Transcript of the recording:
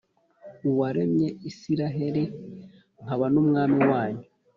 uwaremye israheli, nkaba n’umwami wanyu.